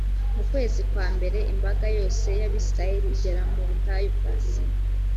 mu kwezi kwa mbere, imbaga yose y’abayisraheli igera mu butayu bwa sini,.